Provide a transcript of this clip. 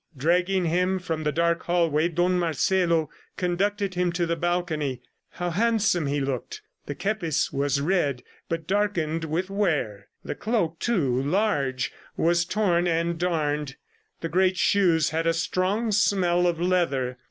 ... Dragging him from the dark hallway, Don Marcelo conducted him to the balcony. ... How handsome he looked! ... The kepis was red, but darkened with wear; the cloak, too large, was torn and darned; the great shoes had a strong smell of leather.